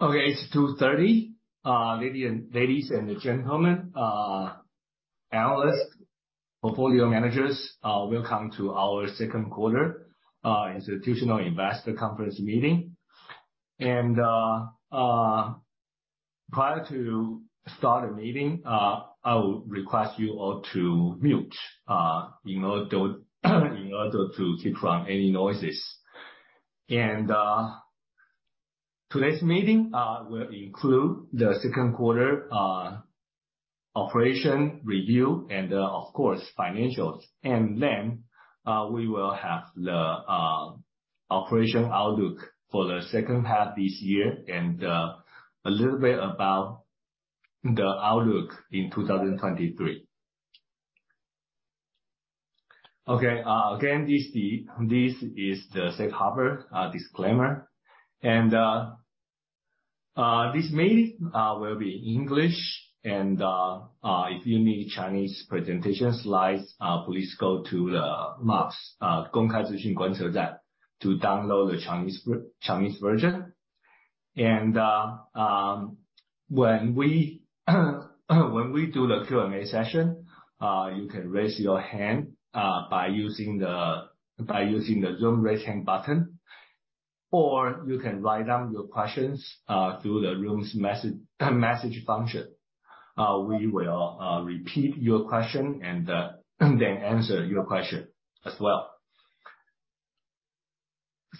Okay, it's 2:30 P.M. Ladies and gentlemen, analysts, portfolio managers, welcome to our second quarter institutional investor conference meeting. Prior to start the meeting, I will request you all to mute in order to keep from any noises. Today's meeting will include the second quarter operation review and, of course, financials. We will have the operation outlook for the second half of this year, and a little bit about the outlook in 2023. Okay, again, this is the safe harbor disclaimer. This meeting will be English and if you need Chinese presentation slides, please go to the MOPS to download the Chinese version. When we do the Q&A session, you can raise your hand by using the Zoom Raise Hand button, or you can write down your questions through the Zoom's message function. We will repeat your question and then answer your question as well.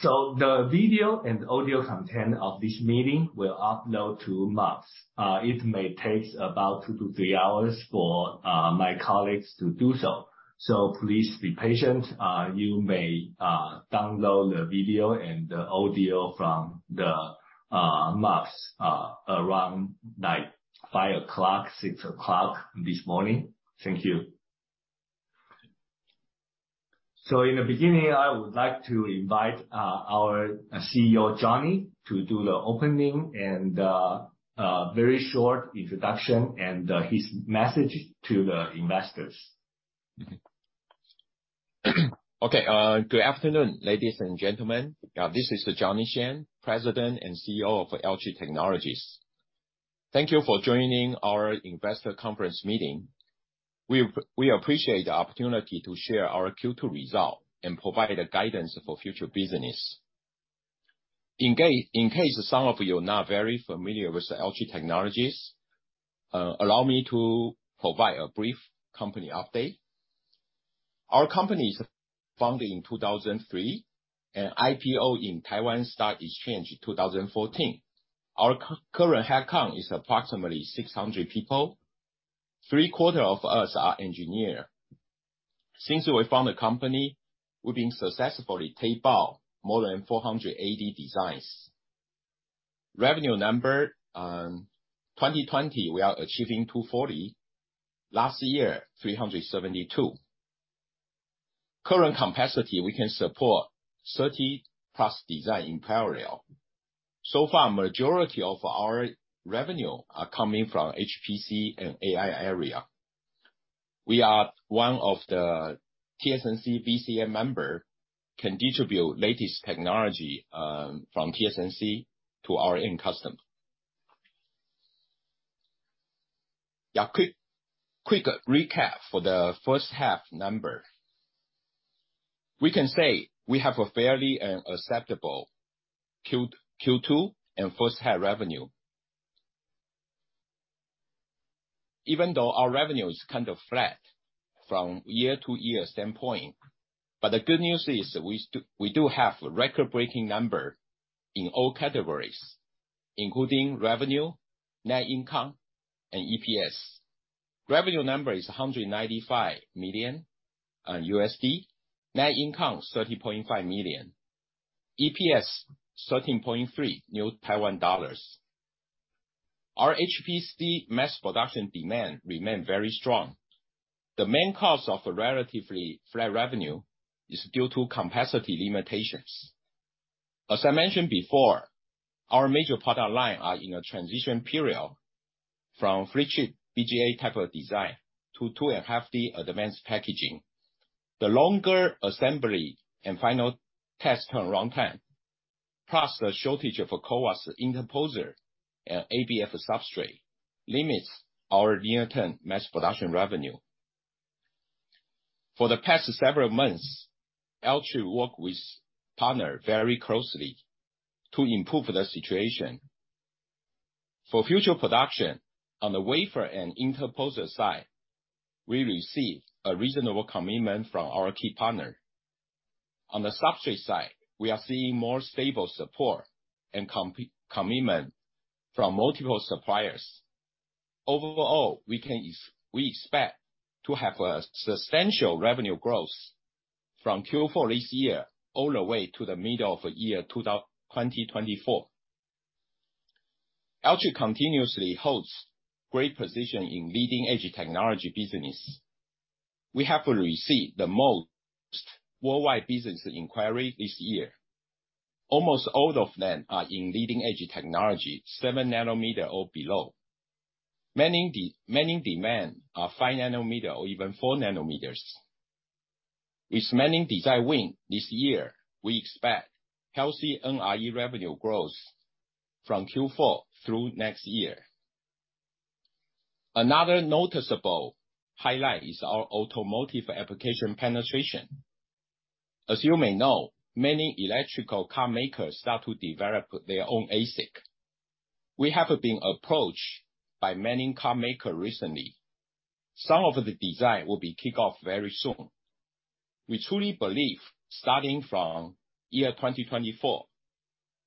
The video and audio content of this meeting, we'll upload to MOPS. It may take about two to three hours for my colleagues to do so. Please be patient. You may download the video and the audio from the MOPS around like 5:00 A.M., 6:00 A.M. this morning. Thank you. In the beginning, I would like to invite our CEO, Johnny, to do the opening and very short introduction and his message to the investors. Good afternoon, ladies and gentlemen. This is Johnny Shen, President and CEO of Alchip Technologies. Thank you for joining our investor conference meeting. We appreciate the opportunity to share our Q2 result and provide a guidance for future business. In case some of you are not very familiar with Alchip Technologies, allow me to provide a brief company update. Our company is founded in 2003, and IPO in Taiwan Stock Exchange in 2014. Our current headcount is approximately 600 people. Three-quarters of us are engineers. Since we founded the company, we've been successfully tape out more than 400 ASIC designs. Revenue number, 2020, we are achieving 240 million. Last year, 372 million. Current capacity, we can support 30+ designs in parallel. So far, majority of our revenue are coming from HPC and AI area. We are one of the TSMC VCA members and can distribute latest technology from TSMC to our end customer. Quick recap for the first half numbers. We can say we have a fairly acceptable Q2 and first half revenue. Even though our revenue is kind of flat from year-over-year standpoint, the good news is we have a record-breaking number in all categories, including revenue, net income, and EPS. Revenue number is $195 million. Net income, 30.5 million. EPS, 13.3. Our HPC mass production demand remain very strong. The main cause of a relatively flat revenue is due to capacity limitations. As I mentioned before, our major product line are in a transition period from Flip Chip BGA type of design to 2.5D advanced packaging. The longer assembly and final test turnaround time, plus the shortage of CoWoS interposer and ABF substrate, limits our near-term mass production revenue. For the past several months, Alchip work with partner very closely to improve the situation. For future production, on the wafer and interposer side, we received a reasonable commitment from our key partner. On the substrate side, we are seeing more stable support and commitment from multiple suppliers. Overall, we expect to have a substantial revenue growth from Q4 this year all the way to the middle of 2024. Alchip continuously holds great position in leading-edge technology business. We have received the most worldwide business inquiry this year. Almost all of them are in leading-edge technology, 7 nm or below. Many demand are 5 nm or even 4 nm. With many design win this year, we expect healthy NRE revenue growth from Q4 through next year. Another noticeable highlight is our automotive application penetration. As you may know, many electric car makers start to develop their own ASIC. We have been approached by many car maker recently. Some of the design will be kick off very soon. We truly believe, starting from 2024,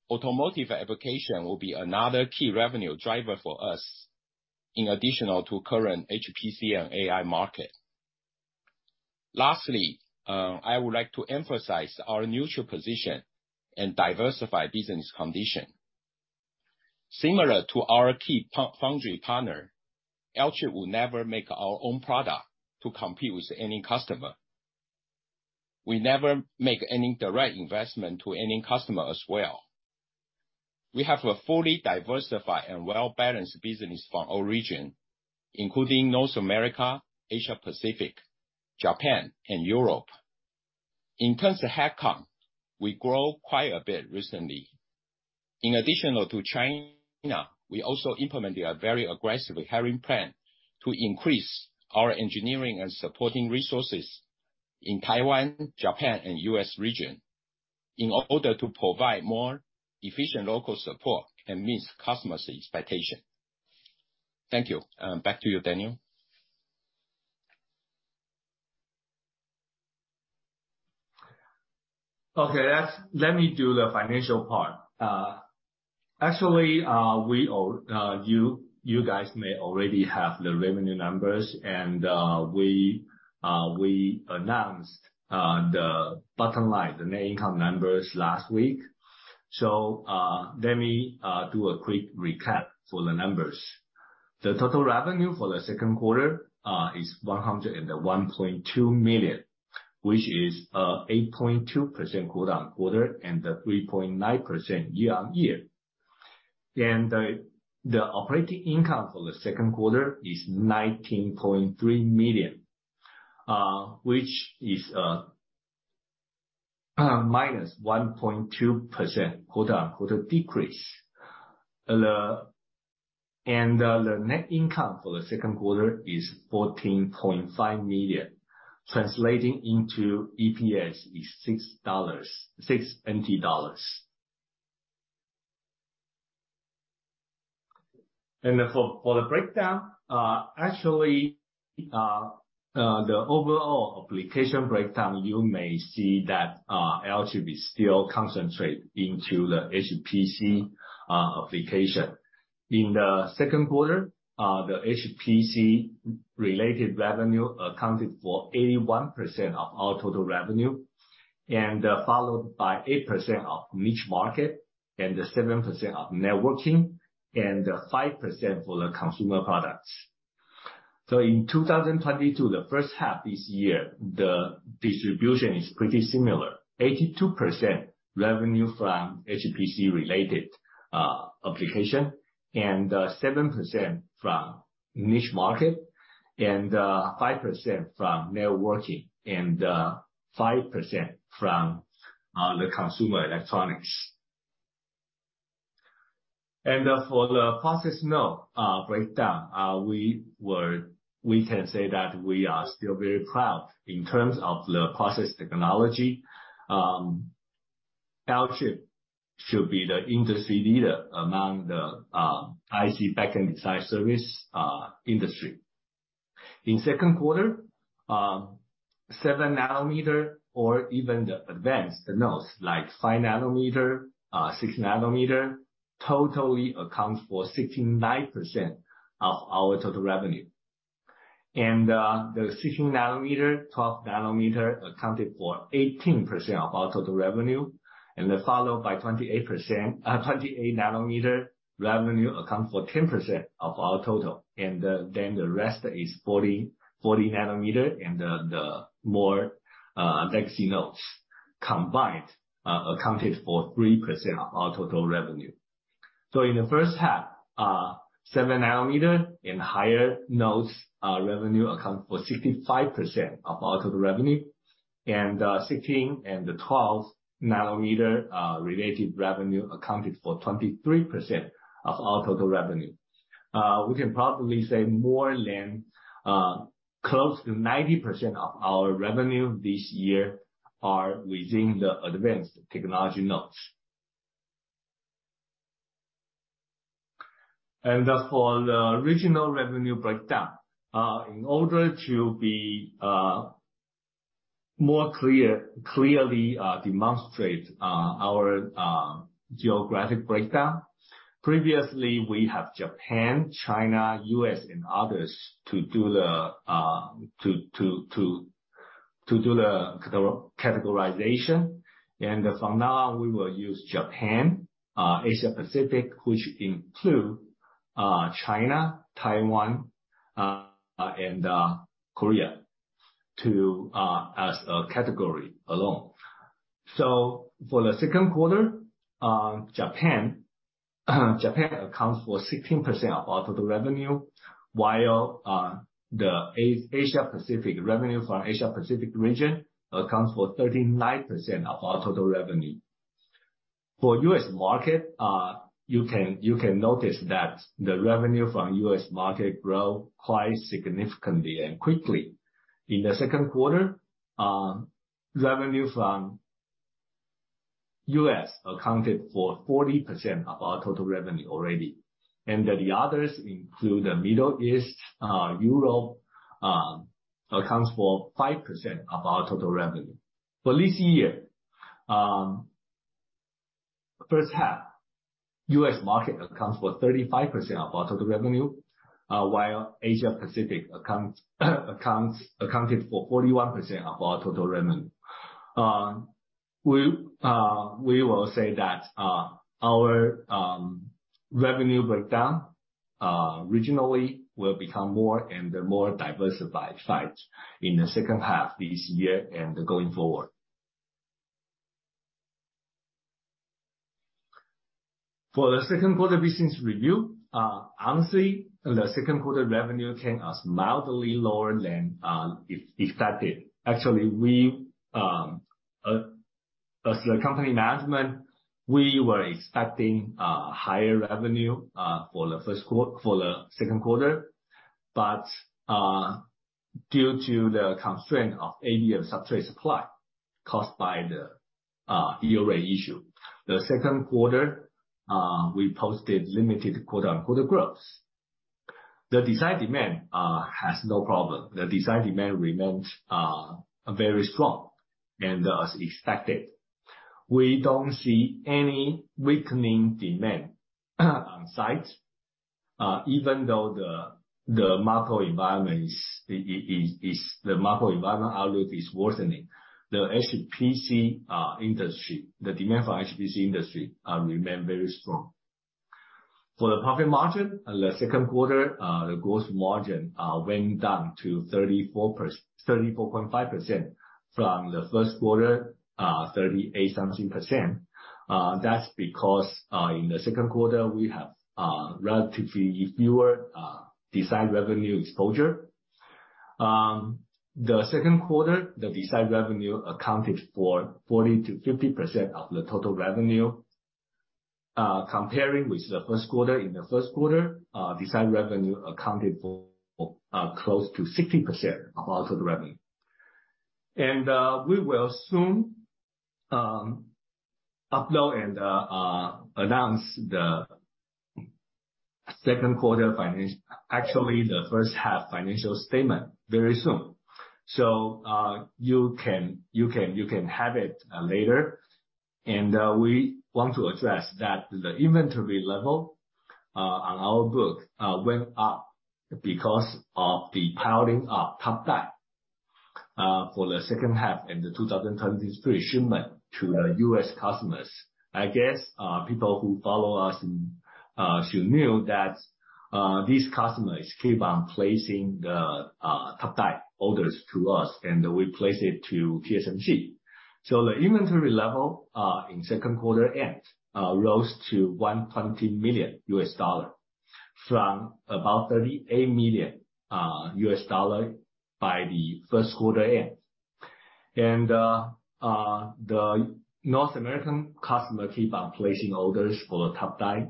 automotive application will be another key revenue driver for us in addition to current HPC and AI market. Lastly, I would like to emphasize our neutral position and diversified business condition. Similar to our key pure-play foundry partner, Alchip will never make our own product to compete with any customer. We never make any direct investment to any customer as well. We have a fully diversified and well-balanced business from all region, including North America, Asia-Pacific, Japan and Europe. In terms of head count, we grow quite a bit recently. In addition to China, we also implemented a very aggressive hiring plan to increase our engineering and supporting resources in Taiwan, Japan and U.S. region in order to provide more efficient local support and meet customers' expectation. Thank you. Back to you, Daniel. Okay, let me do the financial part. Actually, you guys may already have the revenue numbers, and we announced the bottom line, the net income numbers last week. Let me do a quick recap for the numbers. The total revenue for the second quarter is 101.2 million, which is 8.2% quarter-on-quarter and 3.9% year-on-year. The operating income for the second quarter is 19.3 million, which is -1.2% quarter-on-quarter decrease. The net income for the second quarter is 14.5 million, translating into EPS is 6 dollars. For the breakdown, actually, the overall application breakdown, you may see that Alchip is still concentrate into the HPC application. In the second quarter, the HPC related revenue accounted for 81% of our total revenue, and followed by 8% of niche market and 7% of networking, and 5% for the consumer products. In 2022, the first half this year, the distribution is pretty similar. 82% revenue from HPC related application and 7% from niche market, and 5% from networking, and 5% from the consumer electronics. For the process node breakdown, we can say that we are still very proud in terms of the process technology. Alchip should be the industry leader among the IC backend design service industry. In second quarter, 7 nm or even the advanced nodes like 5 nm, 6 nm, totally accounts for 69% of our total revenue. The 16 nm, 12 nm accounted for 18% of our total revenue, and followed by 28 nm revenue account for 10% of our total. The rest is 40 nm and the more legacy nodes combined accounted for 3% of our total revenue. In the first half, 7 nm and higher nodes revenue account for 65% of our total revenue. 16 nm and 12 nm related revenue accounted for 23% of our total revenue. We can probably say more than close to 90% of our revenue this year are within the advanced technology nodes. As for the regional revenue breakdown, in order to more clearly demonstrate our geographic breakdown. Previously, we have Japan, China, U.S., and others to do the categorization. From now on, we will use Japan, Asia-Pacific, which include China, Taiwan, and Korea as a category alone. For the second quarter, Japan accounts for 16% of our total revenue, while the Asia Pacific revenue from Asia Pacific region accounts for 39% of our total revenue. For U.S. market, you can notice that the revenue from U.S. market grow quite significantly and quickly. In the second quarter, revenue from U.S. accounted for 40% of our total revenue already. The others include the Middle East, Europe, accounts for 5% of our total revenue. For this year, first half U.S. market accounts for 35% of our total revenue, while Asia Pacific accounted for 41% of our total revenue. We will say that our revenue breakdown regionally will become more and more diversified sites in the second half this year and going forward. For the second quarter business review, honestly, the second quarter revenue came as mildly lower than expected. Actually, we as the company management were expecting higher revenue for the second quarter. Due to the constraint of ABF substrate supply caused by the EUV issue. The second quarter we posted limited quarter-on-quarter growth. The design demand has no problem. The design demand remains very strong and as expected. We don't see any weakening demand on site even though the macro environment outlook is worsening. The HPC industry, the demand for HPC industry remain very strong. For the profit margin, in the second quarter, the gross margin went down to 34.5% from the first quarter, 38-something%. That's because, in the second quarter we have relatively fewer design revenue exposure. The second quarter, the design revenue accounted for 40%-50% of the total revenue, comparing with the first quarter. In the first quarter, design revenue accounted for close to 60% of our total revenue. We will soon upload and announce the first half financial statement very soon. Actually, you can have it later. We want to address that the inventory level on our book went up because of the piling of top die for the second half in the 2023 shipment to the U.S. customers. I guess people who follow us should know that these customers keep on placing the top die orders to us, and we place it to TSMC. The inventory level in second quarter end rose to $100 million from about $38 million by the first quarter end. The North American customer keep on placing orders for the top die.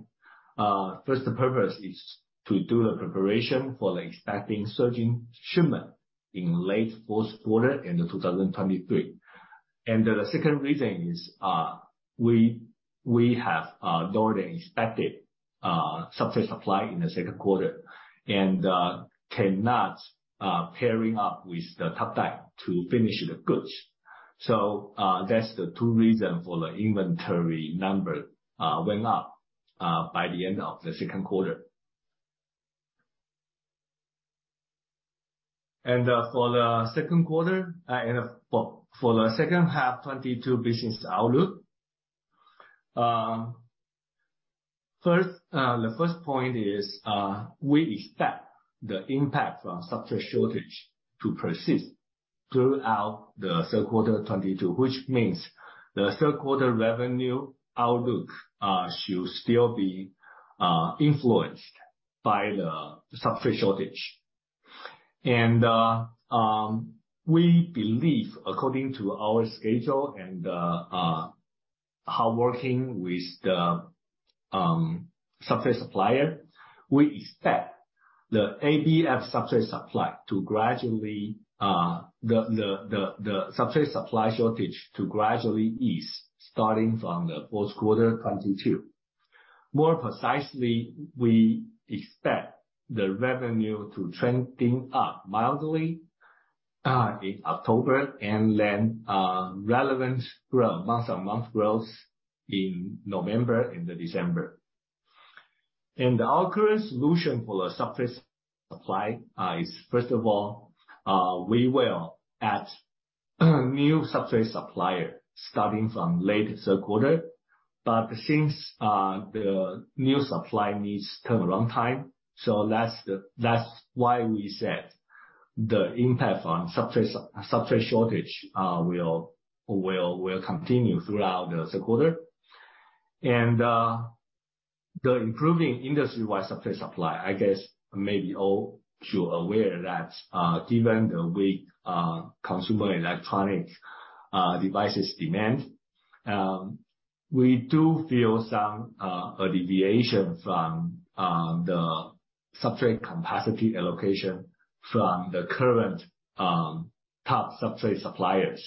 First purpose is to do the preparation for expecting surging shipment in late fourth quarter in the 2023. The second reason is we have lower than expected substrate supply in the second quarter and cannot pair up with the top die to finish the goods. That's the two reasons for the inventory number went up by the end of the second quarter. For the second half 2022 business outlook, first, the first point is we expect the impact from substrate shortage to persist throughout the third quarter 2022. Which means the third quarter revenue outlook should still be influenced by the substrate shortage. We believe, according to our schedule and how working with the substrate supplier, we expect the ABF substrate supply shortage to gradually ease starting from the fourth quarter 2022. More precisely, we expect the revenue to trending up mildly in October and then relevant month-on-month growth in November and December. Our current solution for the substrate supply is first of all, we will add new substrate supplier starting from late third quarter. But since the new supply needs take a long time, so that's why we said the impact on substrate shortage will continue throughout the second quarter. The improving industry-wide substrate supply, I guess maybe all you're aware that, given the weak consumer electronics devices demand, we do feel some alleviation from the substrate capacity allocation from the current top substrate suppliers.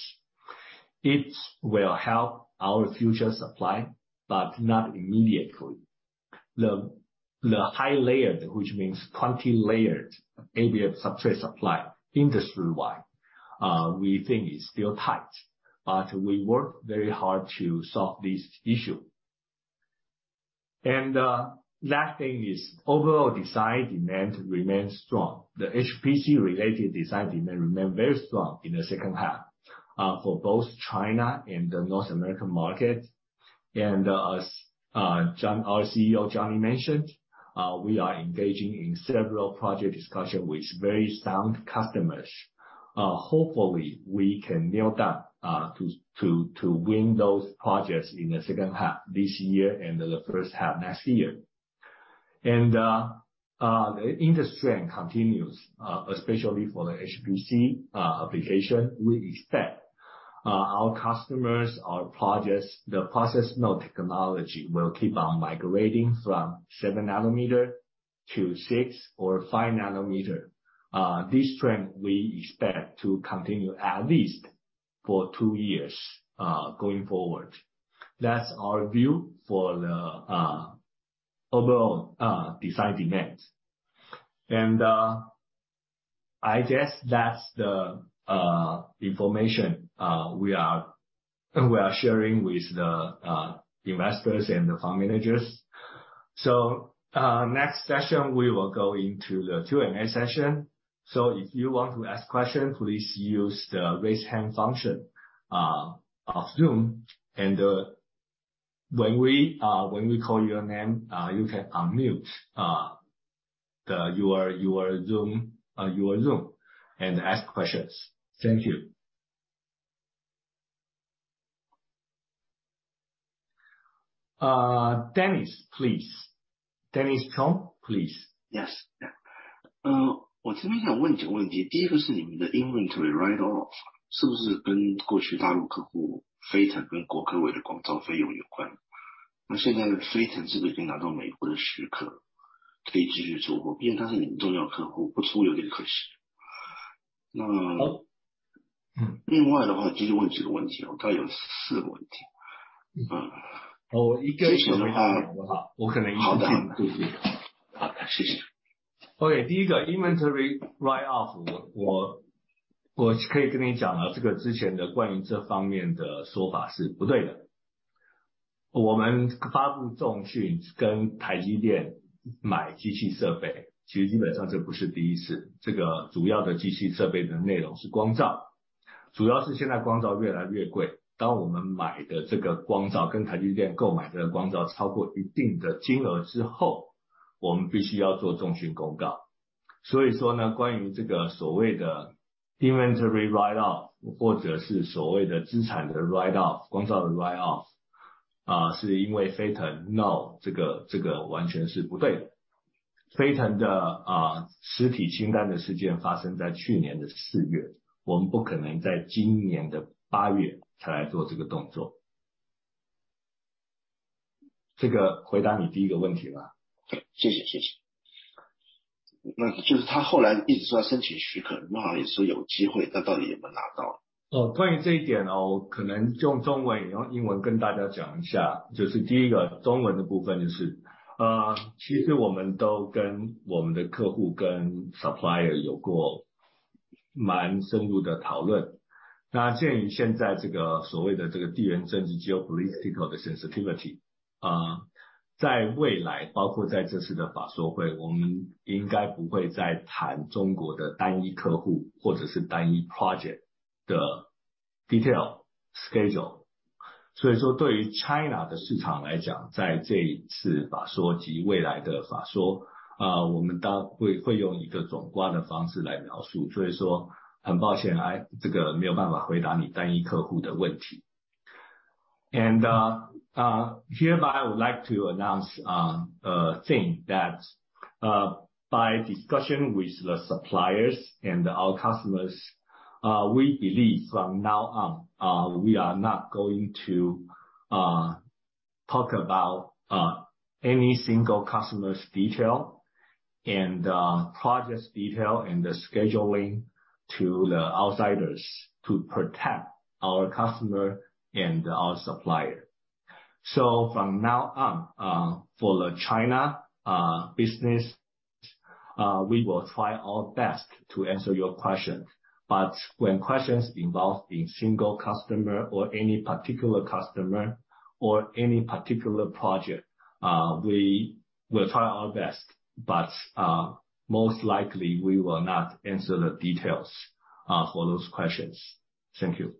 It will help our future supply, but not immediately. The high-layered, which means 20-layered ABF substrate supply industry-wide, we think is still tight, but we work very hard to solve this issue. Last thing is overall design demand remains strong. The HPC related design demand remain very strong in the second half, for both China and the North American market. As Johnny, our CEO, Johnny mentioned, we are engaging in several project discussion with very sound customers. Hopefully we can nail down to win those projects in the second half this year and the first half next year. The industry trend continues, especially for the HPC application. We expect our customers, our projects, the process node technology will keep on migrating from 7 nm to 6 nm or 5 nm. This trend, we expect to continue at least for two years going forward. That's our view for the overall design demand. I guess that's the information we are sharing with the investors and the fund managers. Next session, we will go into the Q&A session. If you want to ask questions, please use the raise hand function of Zoom. When we call your name, you can unmute your Zoom and ask questions. Thank you. Dennis, please. Dennis Chang, please. Yes. Yeah. Oh. Okay. Hereby I would like to announce a thing that, by discussion with the suppliers and our customers, we believe from now on we are not going to talk about any single customer's detail and project detail and the scheduling to the outsiders to protect our customer and our supplier. From now on, for the China business, we will try our best to answer your question, but when questions involve a single customer or any particular customer or any particular project, we will try our best, but most likely we will not answer the details for those questions. Thank you.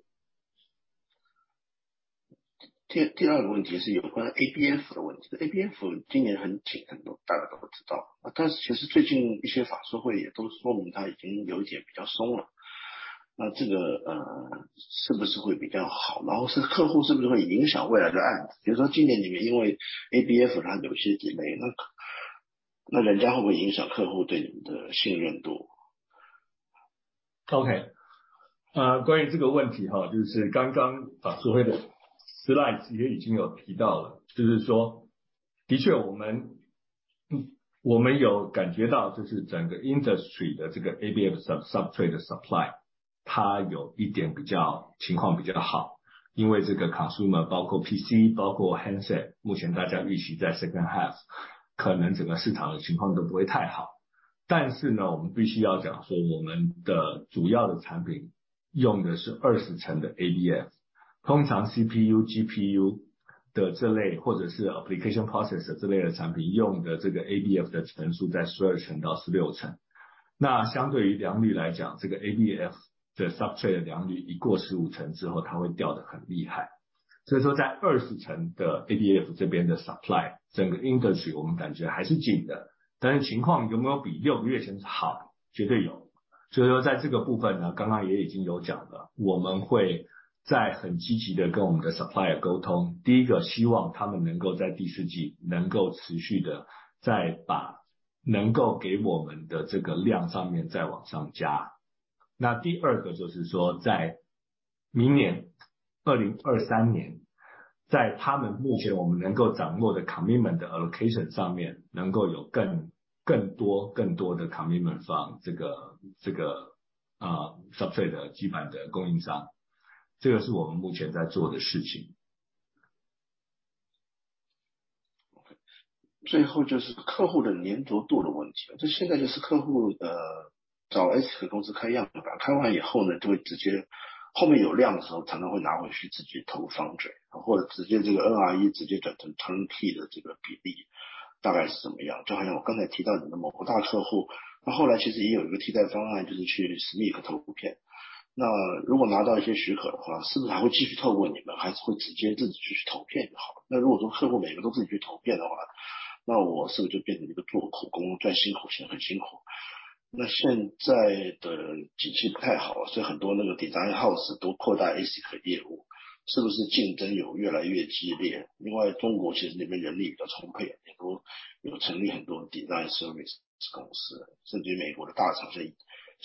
substrate的supply，它有一点比较情况比较好，因为这个consumer包括PC、包括handset，目前大家预期在second half，可能整个市场的情况都不会太好。但是呢，我们必须要讲说我们的主要的产品用的是二十层的ABF，通常CPU、GPU的这类，或者是application house都扩大ASIC业务，是不是竞争有越来越激烈？另外中国其实那边人力比较充沛，也都有成立很多design service公司，甚至于美国的大厂商，像是Synopsys、Cadence也都在做这些业务，那这样子的话，这个竞争态势对我们会不会比较压力会比较大一点？ 第一个我必须要讲，就是你一开始的描述是不对的，就是作为做量大的客户把它拿回去做，这个 reality 不是这个样子的。当在谈 design 一个 turnkey 一个案子的时候，其实一开始它是一个 partial turnkey 还是一个 full turnkey，它就已经确定，如果一开始签的合约是 full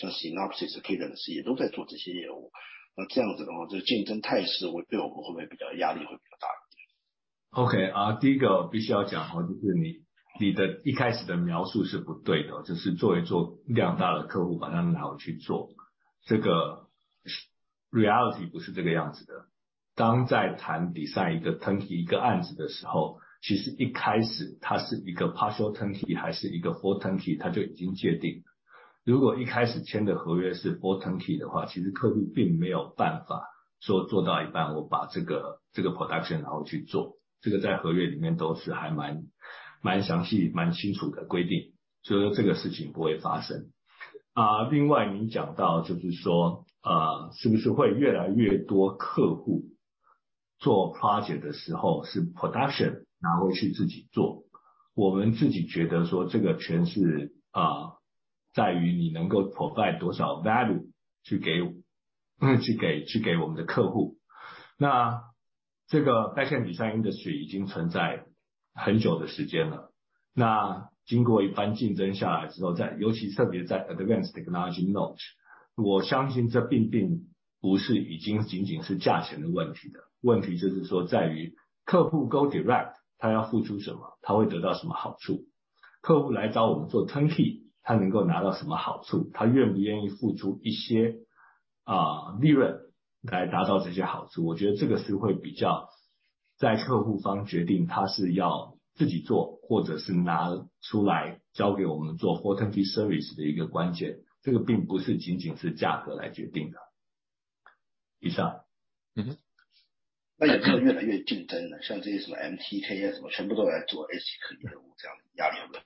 turnkey 的话，其实客户并没有办法说做到一半，我把这个 production 拿回去做，这个在合约里面都是蛮详细蛮清楚的规定，所以说这个事情不会发生。另外您讲到就是说，是不是会越来越多客户做 project 的时候是 production 拿回去自己做。我们自己觉得说这个全是在于你能够 provide 多少 value 去给我们的客户。那这个代线 design industry 已经存在很久的时间了，那经过一番竞争下来之后，在尤其特别在 advance technology node，我相信这并不是已经仅仅是价钱的问题，问题就是说在于客户 go direct，他要付出什么，他会得到什么好处，客户来找我们做 turnkey，他能够拿到什么好处，他愿不愿意付出一些利润来达到这些好处，我觉得这个是会比较在客户方决定他是要自己做，或者是拿出来交给我们做 full turnkey service 的一个关键，这个并不是仅仅是价格来决定的。那也越来越竞争了，像这些什么MediaTek什么全部都来做ASIC业务这样，压力会...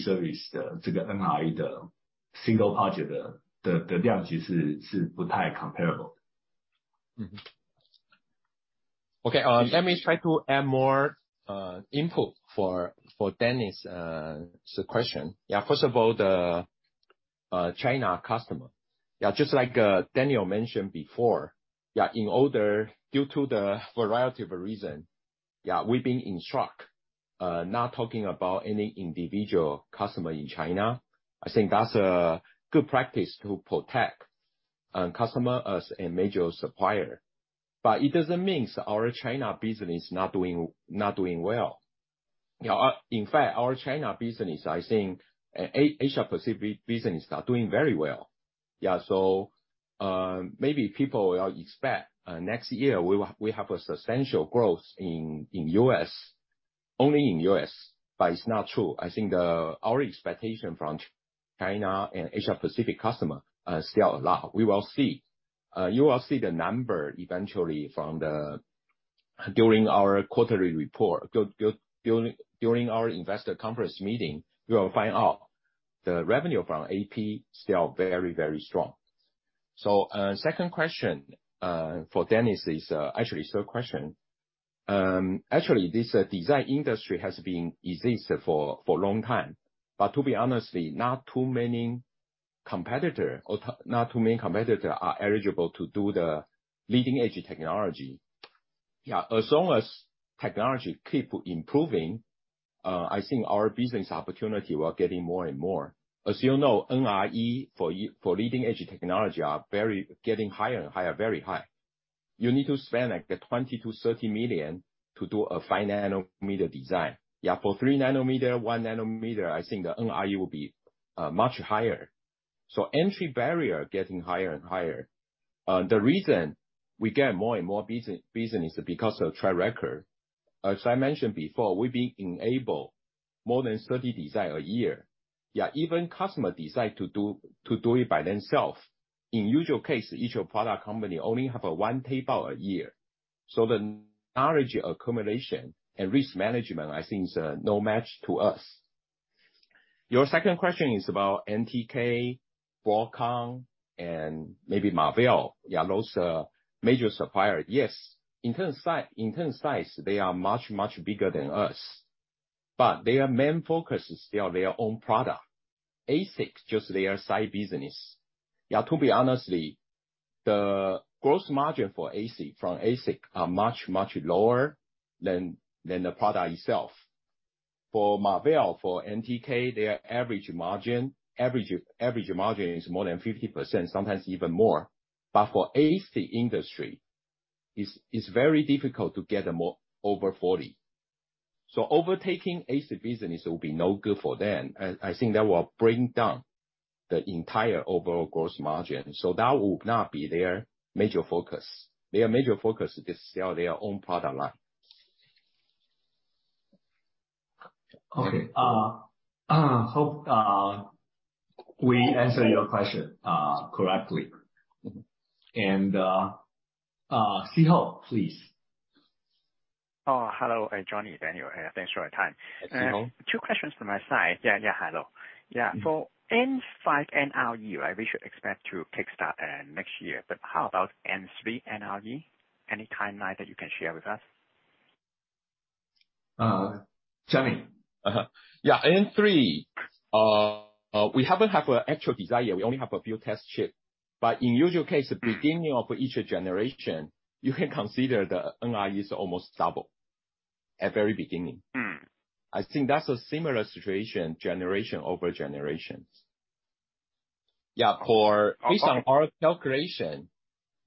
service的这个NRE的single project的量其实是不太comparable。Okay. Let me try to add more input for Dennis question. Yeah, first of all, the China customer. Yeah, just like Daniel mentioned before. Yeah, due to the variety of reason, yeah, we've been instructed not talking about any individual customer in China. I think that's a good practice to protect and customer as a major supplier. But it doesn't mean our China business is not doing well. You know, in fact, our China business, I think Asia Pacific business are doing very well. Yeah, so maybe people will expect next year we have a substantial growth in U.S., only in U.S., but it's not true. I think our expectation from China and Asia Pacific customer sell a lot. We will see. You will see the number eventually during our quarterly report. During our investor conference meeting, you will find out the revenue from AP still very, very strong. Second question for Dennis is actually third question. Actually, this design industry has been in existence for a long time, but to be honest, not too many competitors are eligible to do the leading-edge technology. Yeah, as long as technology keeps improving, I think our business opportunity is getting more and more. As you know, NRE for leading-edge technology is getting higher and higher, very high. You need to spend like 20 million-30 million to do a 5 nm design. Yeah, for 3 nm, 1 nm, I think the NRE will be much higher. Entry barrier getting higher and higher. The reason we get more and more business is because of track record. As I mentioned before, we've been enable more than 30 design a year. Even customer decide to do it by themselves. In usual case, each product company only have a one tape out a year. The knowledge accumulation and risk management, I think, is no match to us. Your second question is about MediaTek, Broadcom, and maybe Marvell. Those are major supplier. In terms of size, they are much, much bigger than us, but their main focus is still their own product. ASIC is just their side business. To be honest, the gross margin for ASIC from ASIC are much, much lower than the product itself. For Marvell, for MediaTek, their average margin is more than 50%, sometimes even more. For ASIC industry, it's very difficult to get more over 40%. Overtaking ASIC business will be no good for them. I think that will bring down the entire overall gross margin. That will not be their major focus. Their major focus is to sell their own product line. Okay. I hope we answered your question correctly. Si Ho, please. Oh, hello, Johnny, Daniel. Thanks for your time. Hello. Two questions from my side. Yeah, yeah. Hello. Yeah. For N5 NRE, we should expect to kickstart next year. How about N3 NRE? Any timeline that you can share with us? Johnny. Yeah, N3, we haven't have a actual design yet. We only have a few test chip. In usual case, the beginning of each generation, you can consider the NRE is almost double at very beginning. I think that's a similar situation generation over generations. Yeah, based on our calculation,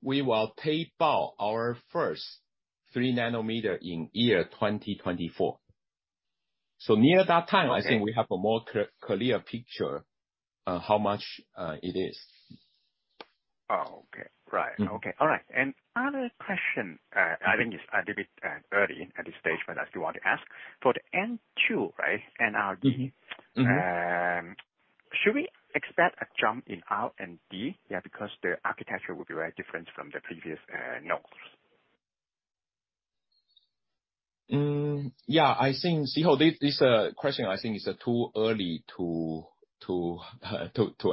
we will tape out our first 3 nm in 2024. Near that time, I think we have a more clear picture how much it is. Oh, okay. Okay. All right. Other question, I think it's a little bit early at this stage, but I still want to ask. For the N2, right? NRE. Should we expect a jump in R&D? Yeah, because the architecture will be very different from the previous nodes. Yeah. I think, Si Ho, this question, I think it's too early to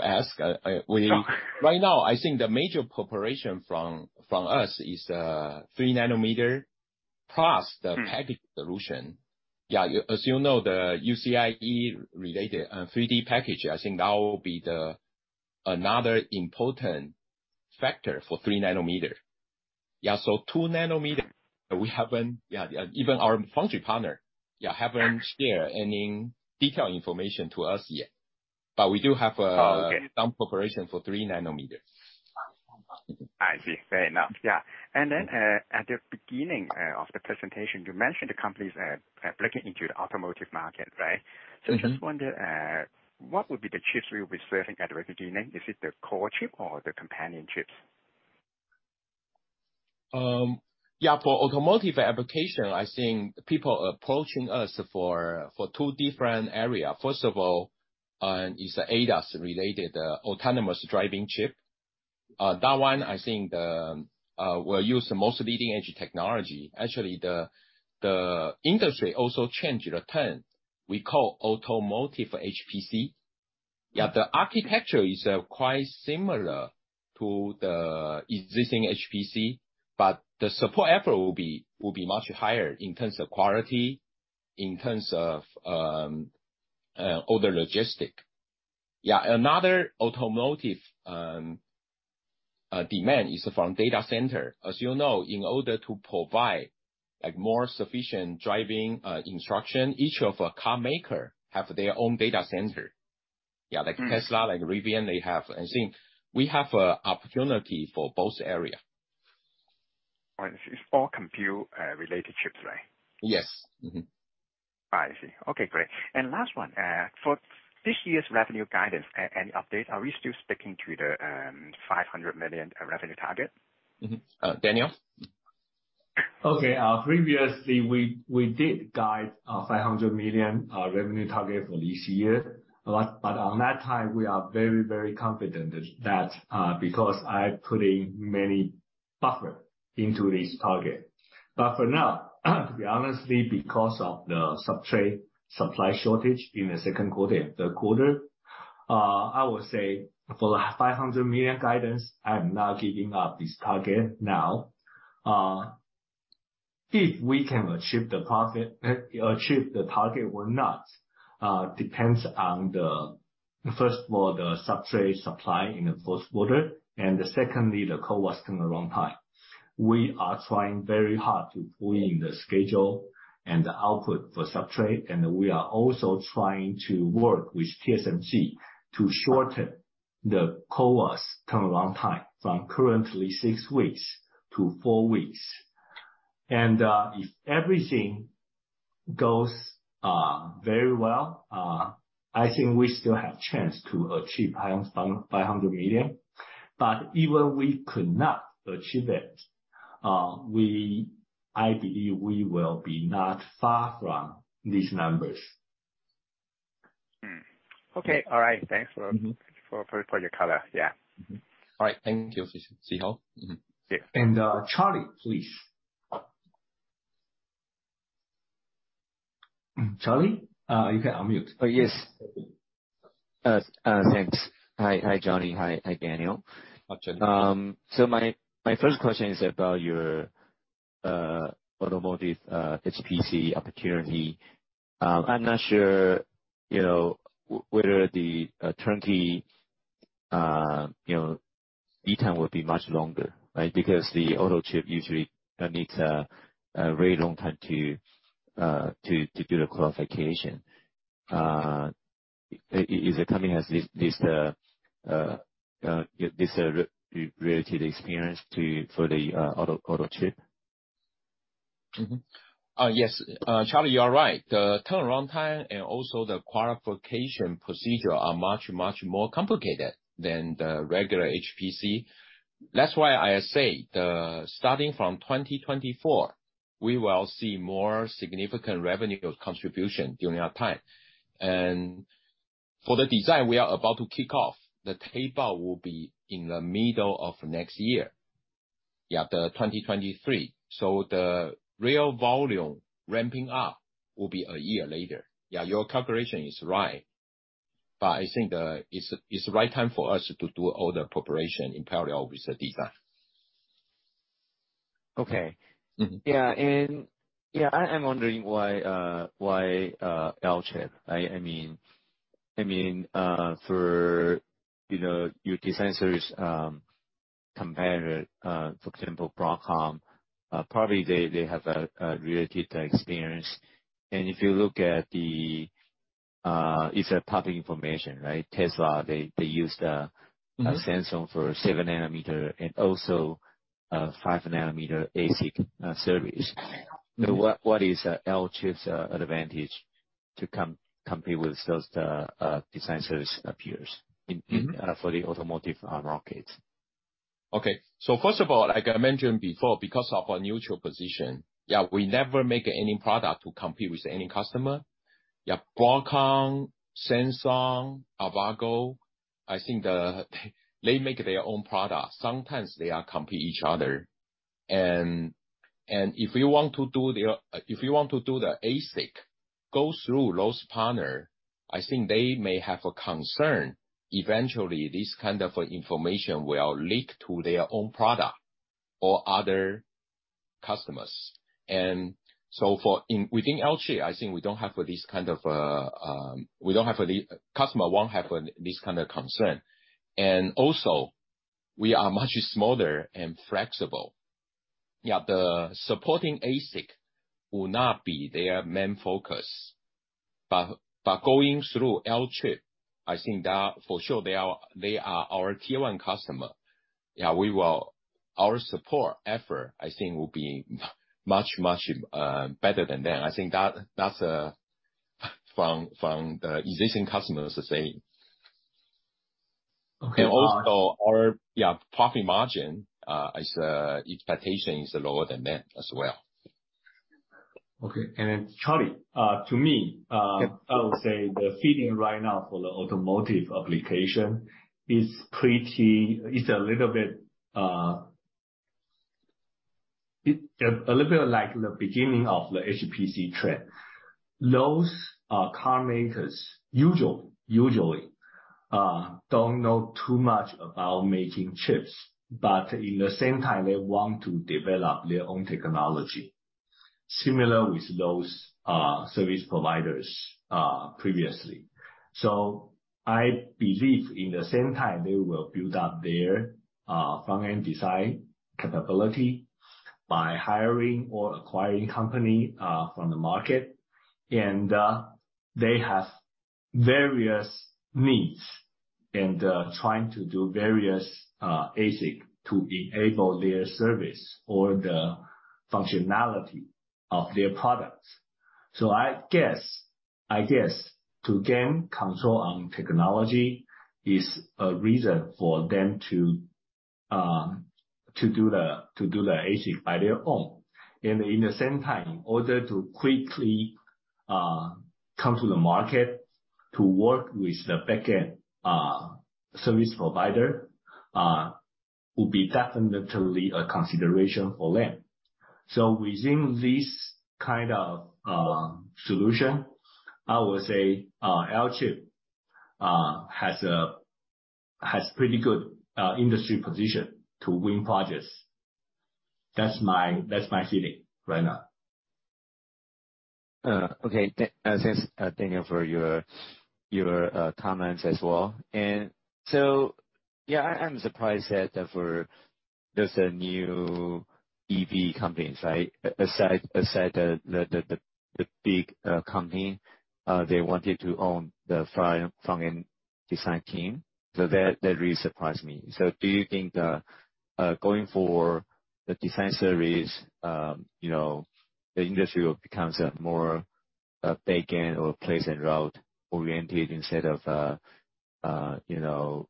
ask. Okay. Right now, I think the major preparation from us is 3 nm plus the package solution. Yeah, as you know, the UCIe related 3D package, I think that will be the another important factor for 3 nm. Yeah, so, 2 nm, we haven't. Yeah. Even our foundry partner, yeah, haven't shared any detailed information to us yet. We do have some preparation for 3 nm. I see. Fair enough. Yeah. Then, at the beginning, of the presentation, you mentioned the companies are breaking into the automotive market, right? I just wonder, what would be the chips we will be serving at the beginning? Is it the core chip or the companion chips? Yeah, for automotive application, I think people approaching us for two different area. First of all, is the ADAS related autonomous driving chip. That one, I think, will use the most leading-edge technology. Actually, the industry also changed the term. We call automotive HPC. Yeah. The architecture is quite similar to the existing HPC, but the support effort will be much higher in terms of quality, in terms of all the logistics. Yeah. Another automotive demand is from data center. As you know, in order to provide like more sufficient driving instruction, each of a car maker have their own data center. Yeah. Like Tesla, like Rivian, they have. I think we have a opportunity for both area. All right. It's all compute related chips, right? Yes. I see. Okay, great. Last one. For this year's revenue guidance, any update? Are we still sticking to the 500 million revenue target? Daniel? Previously we did guide a 500 million revenue target for this year. On that time, we are very, very confident that because I put in many buffer into this target. For now, to be honest, because of the substrate supply shortage in the second quarter, third quarter, I would say for the 500 million guidance, I'm not giving up this target now. If we can achieve the target or not depends on, first of all, the substrate supply in the fourth quarter. Secondly, the CoWoS turnaround time. We are trying very hard to pull in the schedule and the output for substrate, and we are also trying to work with TSMC to shorten the CoWoS turnaround time from currently six weeks to four weeks. If everything goes very well, I think we still have chance to achieve 500 million. Even if we could not achieve it, I believe we will be not far from these numbers. Okay. All right. Thanks for your color. Yeah. All right. Thank you, Si Ho. Yeah. Charlie, please. Charlie, you can unmute. Oh, yes. Thanks. Hi. Hi, Johnny. Hi. Hi, Daniel. Hi, Charlie. My first question is about your automotive HPC opportunity. I'm not sure, you know, whether the turnkey, you know, lead time will be much longer, right? Because the auto chip usually needs a very long time to do the qualification. Is the company has this related experience for the auto chip? Yes. Charlie, you are right. The turnaround time and also the qualification procedure are much, much more complicated than the regular HPC. That's why I say the starting from 2024, we will see more significant revenue contribution during that time. For the design we are about to kick off, the tape-out will be in the middle of next year. Yeah, 2023. So the real volume ramping up will be a year later. Yeah, your calculation is right, but I think it's the right time for us to do all the preparation in parallel with the design. Okay. Yeah. I'm wondering why Alchip? I mean for you know your design services competitor for example Broadcom probably they have a related experience. If you look at the it's public information right? Tesla they use the, Samsung for 7 nm and also a 5nm ASIC service. What is Alchip's advantage to compete with those design service peers for the automotive market? Okay. First of all, like I mentioned before, because of our neutral position, we never make any product to compete with any customer. Broadcom, Samsung, Avago, I think, they make their own product. Sometimes they compete with each other. If you want to do the ASIC, go through those partners, I think they may have a concern. Eventually, this kind of information will leak to their own product or other customers. Within Alchip, I think we don't have this kind of concern. Customer won't have this kind of concern. Also we are much smaller and flexible. The supporting ASIC will not be their main focus. Going through Alchip, I think that for sure they are our tier 1 customer. Yeah, our support effort, I think, will be much better than them. I think that's from the existing customers are saying. Okay. Also, our yeah profit margin as an expectation is lower than them as well. Okay. Charlie, to me, I would say the feeling right now for the automotive application is pretty. It's a little bit like the beginning of the HPC trend. Those car makers usually don't know too much about making chips, but in the same time, they want to develop their own technology, similar with those service providers previously. I believe in the same time, they will build up their front-end design capability by hiring or acquiring company from the market. They have various needs and trying to do various ASIC to enable their service or the functionality of their products. I guess to gain control on technology is a reason for them to do the ASIC by their own. At the same time, in order to quickly come to the market to work with the back-end service provider will be definitely a consideration for them. Within this kind of solution, I would say Alchip has pretty good industry position to win projects. That's my feeling right now. Okay. Thanks, Daniel, for your comments as well. Yeah, I'm surprised that for those new EV companies, right, aside from the big company, they wanted to own the front-end design team. That really surprised me. Do you think, going for the design services, you know, the industry will becomes a more back-end or place and route oriented instead of, you know,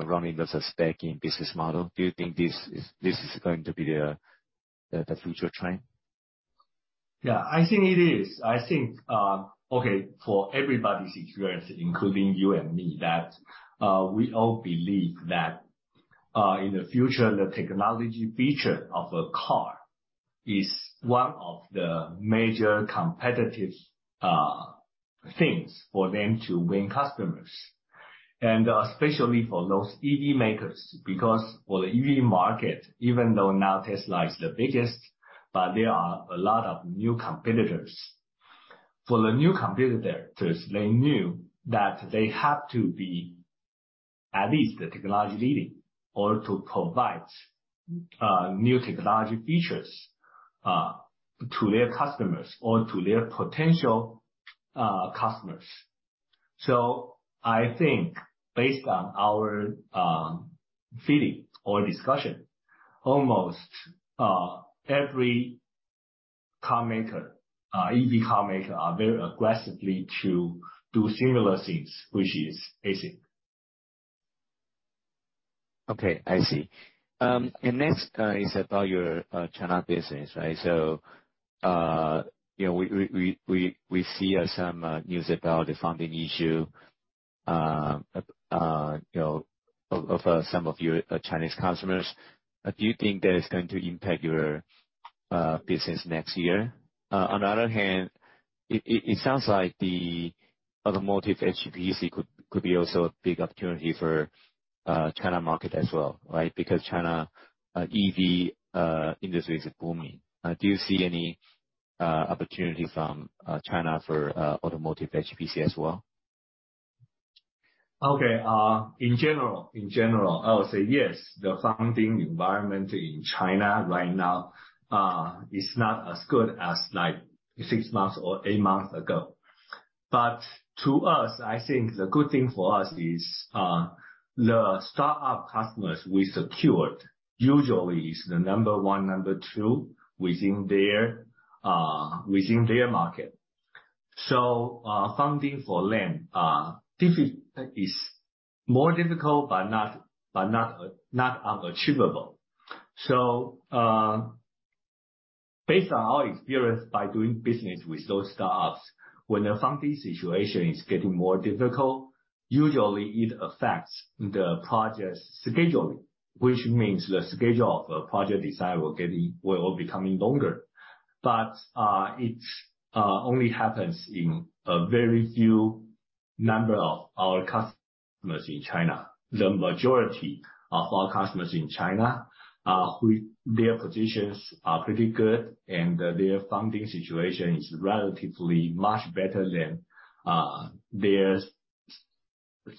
running as a stacking business model? Do you think this is going to be the future trend? Yeah, I think it is. I think, okay, for everybody's experience, including you and me, that, we all believe that, in the future, the technology feature of a car is one of the major competitive, things for them to win customers, and especially for those EV makers. Because for the EV market, even though now Tesla is the biggest, but there are a lot of new competitors. For the new competitors, they knew that they have to be at least the technology leading or to provide, new technology features, to their customers or to their potential, customers. I think based on our, feeling or discussion, almost, every carmaker, EV carmaker are very aggressively to do similar things, which is basic. Okay, I see. Next is about your China business, right? You know, we see some news about the funding issue, you know, of some of your Chinese customers. Do you think that is going to impact your business next year? On the other hand, it sounds like the automotive HPC could be also a big opportunity for China market as well, right? Because China EV industry is booming. Do you see any opportunity from China for automotive HPC as well? Okay. In general, I would say yes. The funding environment in China right now is not as good as like six months or eight months ago. To us, I think the good thing for us is the startup customers we secured usually is the number one, number two within their market. Funding for them is more difficult, but not unachievable. Based on our experience by doing business with those startups, when the funding situation is getting more difficult, usually it affects the project scheduling, which means the schedule of project design will become longer. It only happens in a very few number of our customers in China. The majority of our customers in China are whose positions are pretty good and their funding situation is relatively much better than their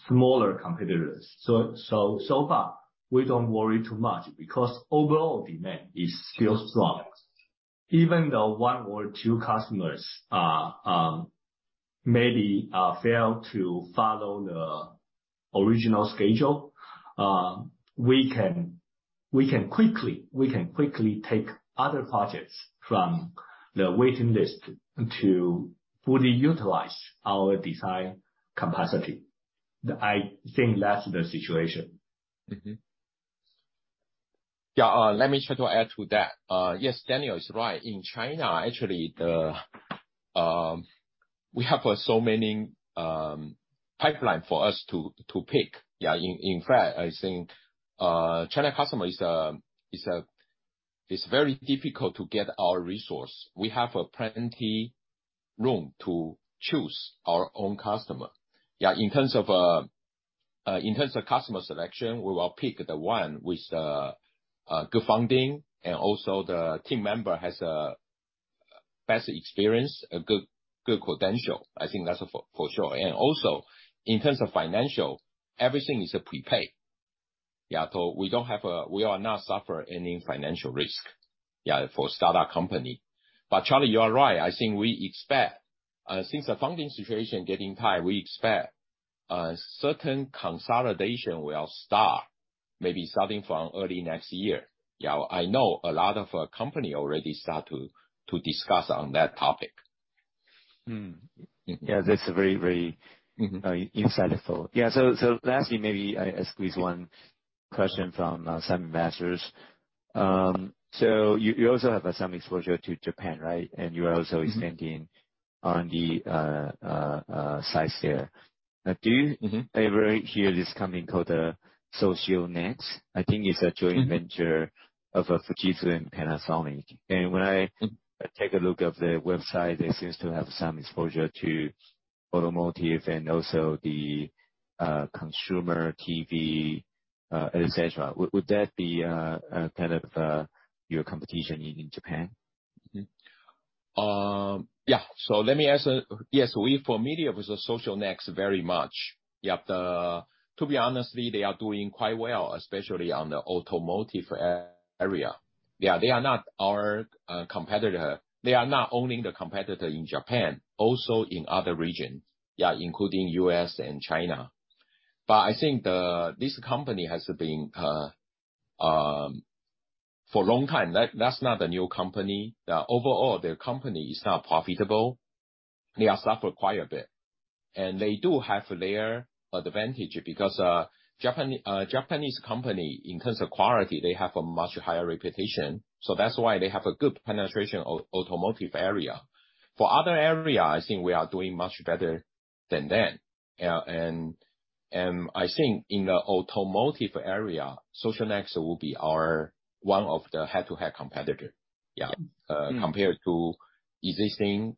smaller competitors. So far, we don't worry too much because overall demand is still strong. Even though one or two customers, maybe, fail to follow the original schedule, we can quickly take other projects from the waiting list to fully utilize our design capacity. I think that's the situation. Yeah. Let me try to add to that. Yes, Daniel is right. In China, actually, we have so many pipeline for us to pick. Yeah. In fact, I think China customer is very difficult to get our resource. We have a plenty room to choose our own customer. Yeah, in terms of customer selection, we will pick the one with good funding, and also the team member has a better experience, a good credential. I think that's for sure. Also, in terms of financial, everything is a prepaid. Yeah. We don't have a, we are not suffer any financial risk, yeah, for start-up company. Charlie, you are right. I think we expect, since the funding situation getting tight, certain consolidation will start, maybe starting from early next year. Yeah. I know a lot of company already start to discuss on that topic. Yeah, that's very insightful. Yeah, so lastly, maybe I ask this one question from some investors. So you also have some exposure to Japan, right? You are also extending on the size there. Now do you ever hear this company called Socionext? I think it's a joint venture of Fujitsu and Panasonic. When I take a look of the website, it seems to have some exposure to automotive and also the consumer TV, et cetera. Would that be kind of your competition in Japan? Yeah. Let me ask, yes, we're familiar with Socionext very much. Yeah. To be honest, they are doing quite well, especially on the automotive area. Yeah, they are not our competitor. They are not only the competitor in Japan, also in other regions, yeah, including U.S. and China. I think this company has been for a long time. That's not a new company. Overall, their company is not profitable. They are suffer quite a bit. And they do have their advantage because Japanese company, in terms of quality, they have a much higher reputation. So that's why they have a good penetration of automotive area. For other area, I think we are doing much better than them. And I think in the automotive area, Socionext will be our one of the head-to-head competitors, compared to existing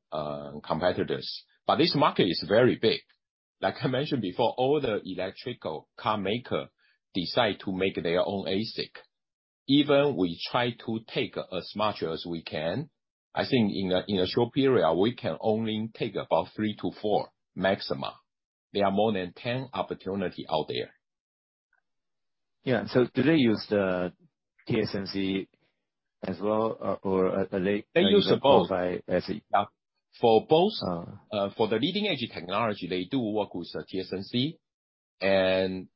competitors. This market is very big. Like I mentioned before, all the electric car makers decide to make their own ASIC. Even we try to take as much as we can. I think in a short period, we can only take about three to four maximum. There are more than 10 opportunities out there. Do they use TSMC as well? They use both. For both, for the leading edge technology, they do work with TSMC and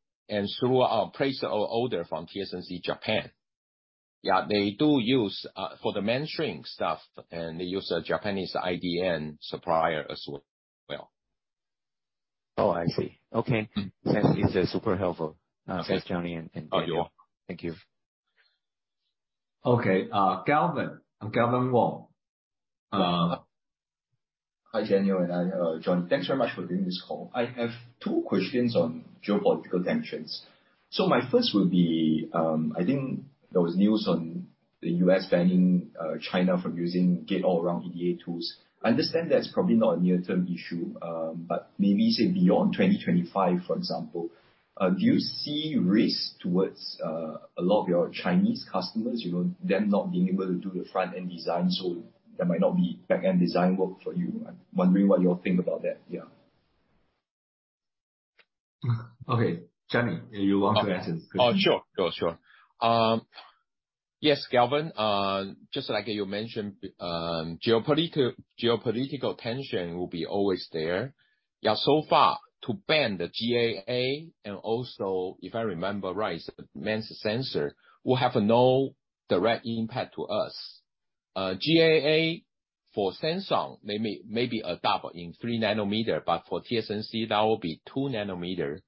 through our placement order from TSMC Japan. They do use for the mainstream stuff, and they use a Japanese IDM supplier as well. I see. Okay. That is super helpful. Okay. Thanks, Johnny and Daniel. You're welcome. Thank you. Okay. Calvin. Calvin Wong. Hi, Daniel and Johnny. Thanks very much for doing this call. I have two questions on geopolitical tensions. My first would be, I think there was news on the U.S. banning China from using Gate-All-Around EDA tools. I understand that's probably not a near-term issue, but maybe say beyond 2025, for example. Do you see risk towards a lot of your Chinese customers, you know, them not being able to do the front-end design, so there might not be back-end design work for you? I'm wondering what you all think about that. Yeah. Okay. Johnny, you want to answer his question? Sure. Yes, Calvin, just like you mentioned, geopolitical tension will be always there. Yeah. So far to ban the GAA, and also, if I remember right, MEMS sensor will have no direct impact to us. GAA for Samsung, they may adopt in 3 nm, but for TSMC, that will be 2 nm.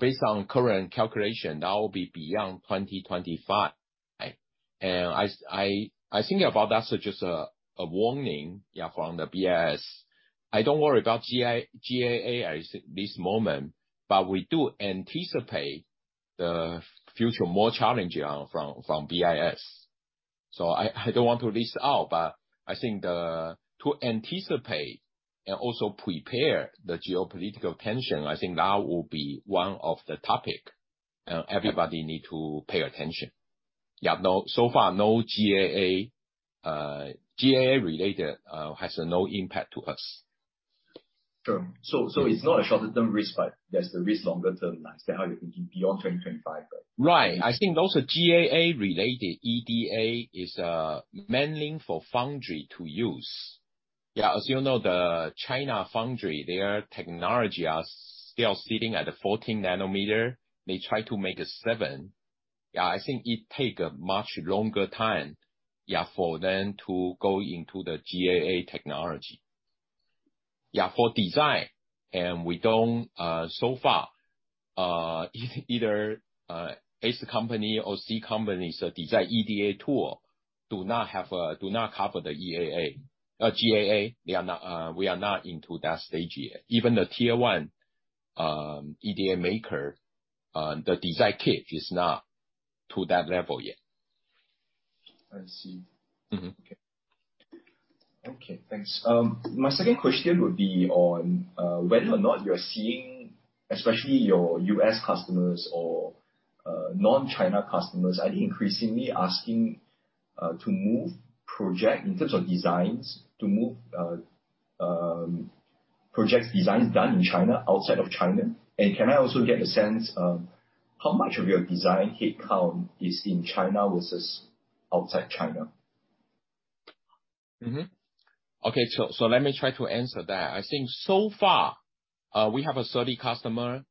Based on current calculation, that will be beyond 2025. Right? I think about that as just a warning, yeah, from the BIS. I don't worry about GAA at this moment, but we do anticipate the future more challenging from BIS. I don't want to leave out, but I think to anticipate and also prepare the geopolitical tension, I think that will be one of the topic everybody need to pay attention. So far, no GAA related has no impact to us. Sure. It's not a short-term risk, but there's the risk longer-term. Is that how you're thinking beyond 2025? Right. I think those are GAA related. EDA is mainly for foundry to use. As you know, the China foundry, their technology are still sitting at a 14 nm. They try to make a 7 nm. I think it take a much longer time for them to go into the GAA technology for design, and we don't so far, either U.S. company or Chinese companies that design EDA tool do not cover the GAA. We are not into that stage yet. Even the tier 1 EDA maker, the design kit is not to that level yet. I see. Thanks. My second question would be on whether or not you're seeing, especially your U.S. customers or non-China customers, are they increasingly asking to move project designs done in China outside of China? Can I also get a sense of how much of your design headcount is in China versus outside China? Let me try to answer that. I think so far we have 30 customers.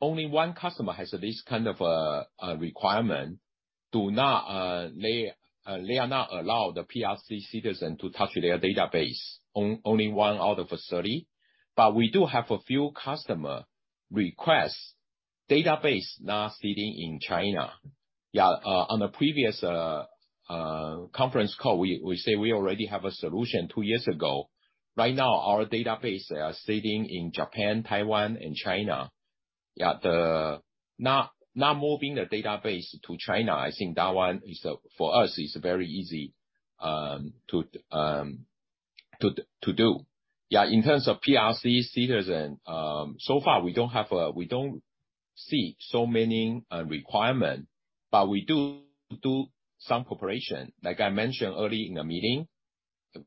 Only one customer has this kind of requirement. They are not allowed PRC citizens to touch their database. Only one out of 30. But we do have a few customer requests, database not sitting in China. On the previous conference call, we say we already have a solution two years ago. Right now, our database are sitting in Japan, Taiwan, and China. Not moving the database to China, I think that one is for us very easy to do. In terms of PRC citizens, so far we don't have, we don't see so many requirements, but we do some preparation. Like I mentioned earlier in the meeting,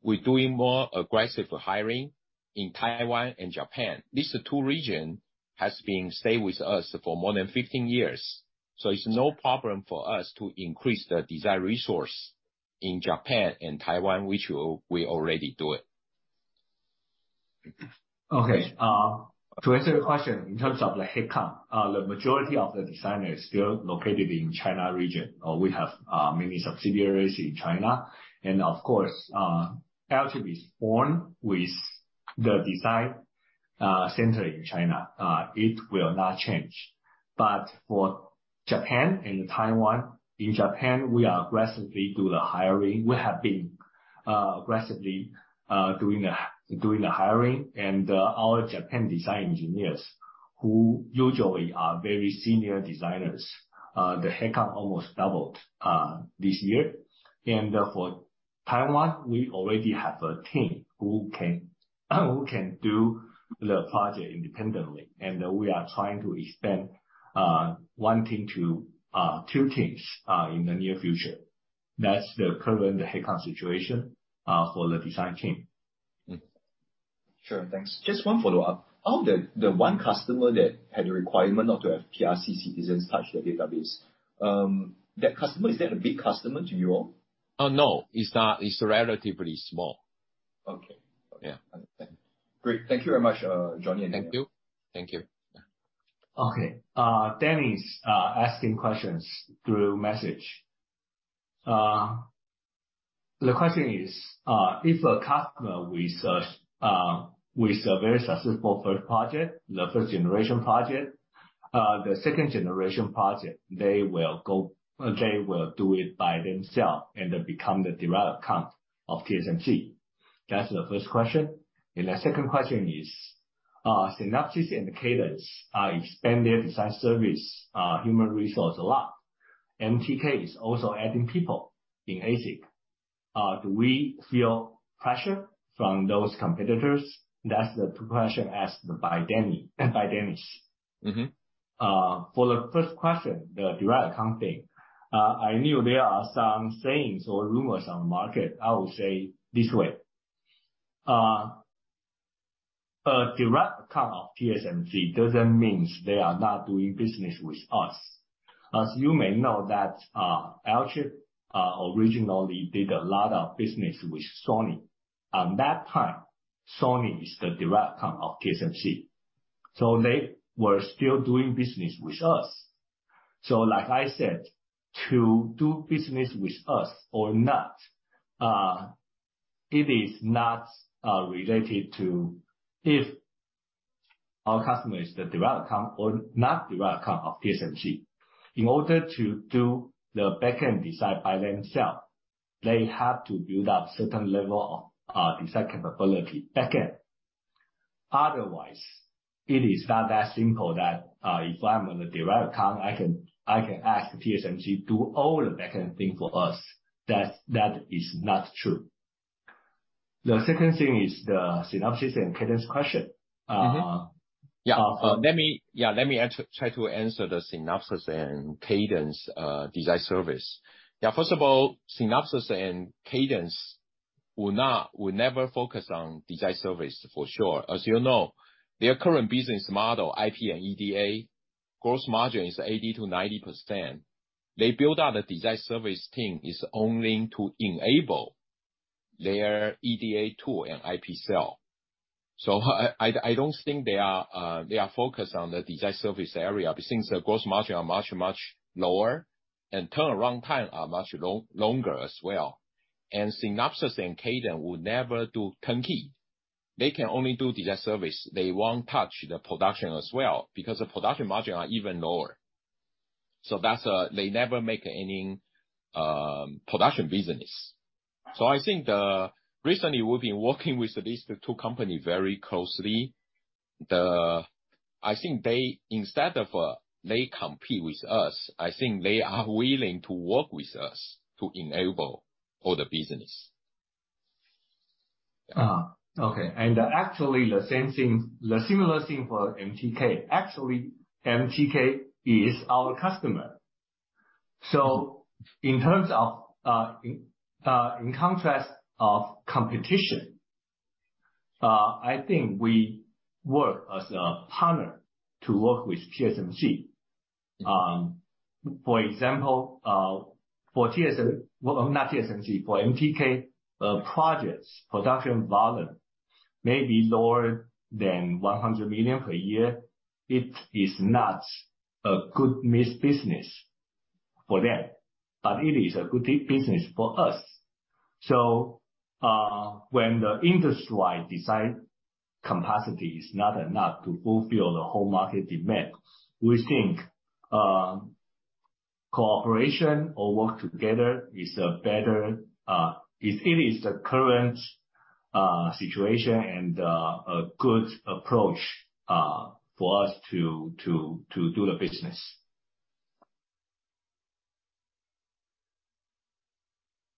we're doing more aggressive hiring in Taiwan and Japan. These two region has been stay with us for more than 15 years, so it's no problem for us to increase the design resource in Japan and Taiwan, which we already do it. Okay. To answer your question, in terms of the headcount, the majority of the designer is still located in China region. We have many subsidiaries in China and of course, LT is born with the design center in China. It will not change. For Japan and Taiwan, in Japan we are aggressively doing the hiring. We have been aggressively doing the hiring and our Japan design engineers, who usually are very senior designers, the headcount almost doubled this year. For Taiwan, we already have a team who can do the project independently. We are trying to expand one team to two teams in the near future. That's the current headcount situation for the design team. Sure. Thanks. Just one follow-up. Of the one customer that had a requirement not to have PRC citizens touch the database, that customer, is that a big customer to you all? No, it's not. It's relatively small. Okay. Yeah. Understand. Great. Thank you very much, Johnny and Daniel. Thank you. Thank you. Okay. Dennis asking questions through message. The question is, if a customer with a very successful first project, the first generation project, the second generation project, they will go. They will do it by themselves and become the direct account of TSMC. That's the first question. The second question is, Synopsys indicates expand their design service, human resources a lot. MediaTek is also adding people in ASIC. Do we feel pressure from those competitors? That's the two questions asked by Dennis. For the first question, the direct account thing, I knew there are some sayings or rumors on the market. I will say this way. A direct account of TSMC doesn't mean they are not doing business with us. As you may know that, Alchip originally did a lot of business with Sony. At that time, Sony is the direct account of TSMC. So they were still doing business with us. So like I said, to do business with us or not, it is not related to if our customer is the direct account or not direct account of TSMC. In order to do the back-end design by themselves, they have to build up certain level of design capability, back-end. Otherwise, it is not that simple that if I'm on a direct account, I can ask TSMC, "Do all the back-end thing for us." That is not true. The second thing is the Synopsys and Cadence question. Yeah. Let me try to answer the Synopsys and Cadence design service. Yeah, first of all, Synopsys and Cadence would not, would never focus on design service for sure. As you know, their current business model, IP and EDA, gross margin is 80%-90%. They build out a design service team is only to enable their EDA tool and IP cell. So I don't think they are they are focused on the design service area since the gross margin are much, much lower and turnaround time are much longer as well. Synopsys and Cadence would never do turnkey. They can only do design service. They won't touch the production as well, because the production margin are even lower. They never make any production business. Recently, we've been working with these two company very closely. I think they instead of they compete with us, I think they are willing to work with us to enable all the business. Okay. Actually, the same thing, the similar thing for MediaTek. Actually, MediaTek is our customer. In terms of in contrast of competition, I think we work as a partner to work with TSMC. For example, for TSMC. Well, not TSMC. For MediaTek, projects production volume may be lower than 100 million per year. It is not a good mix business for them, but it is a good business for us. When the industry-wide design capacity is not enough to fulfill the whole market demand, we think cooperation or work together is a better it is the current situation and a good approach for us to do the business.